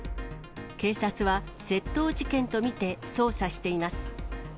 警察は、窃盗事件と見て、捜査しています。